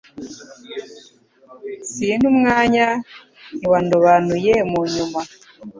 Sinta umwanya, Ntiwandobanuye mu nyuma.